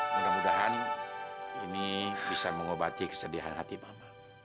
mudah mudahan ini bisa mengobati kesedihan hati bapak